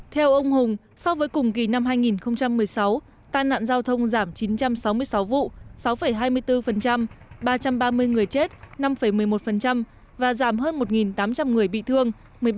theo ông hùng so với cùng kỳ năm hai nghìn một mươi sáu tai nạn giao thông giảm chín trăm sáu mươi sáu vụ sáu hai mươi bốn ba trăm ba mươi người chết năm một mươi một và giảm hơn một tám trăm linh người bị thương một mươi ba ba mươi năm